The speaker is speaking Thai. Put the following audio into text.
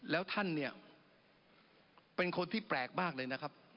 แล้วท่านเนี่ยเป็นคนที่แปลกมากเลยนะครับ